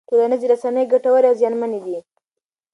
ټولنیزې رسنۍ ګټورې او زیانمنې دي.